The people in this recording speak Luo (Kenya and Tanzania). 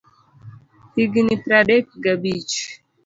Higni pradek ga abich.